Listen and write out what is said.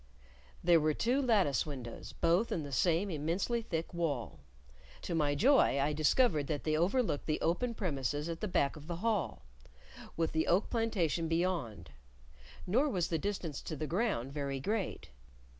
There were two lattice windows, both in the same immensely thick wall; to my joy, I discovered that they overlooked the open premises at the back of the hall, with the oak plantation beyond; nor was the distance to the ground very great.